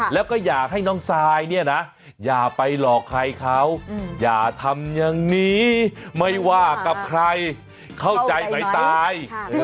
แล้วก็อยากให้น้องซายเนี่ยนะอย่าไปหลอกใครเขาอย่าทำอย่างนี้ไม่ว่ากับใครเข้าใจไหมตาย